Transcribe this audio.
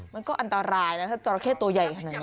มันก็อันตรายนะถ้าจราเข้ตัวใหญ่ขนาดนี้